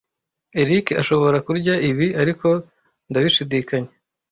Eric ashobora kurya ibi, ariko ndabishidikanya.